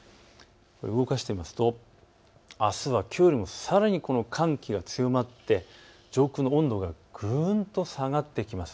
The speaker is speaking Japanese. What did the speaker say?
動かしてみますと、あすはきょうよりもさらに寒気が強まって上空の温度がぐんと下がってきます。